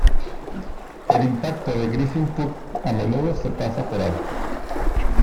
El impacto de Griffith Pugh a menudo se pasa por alto.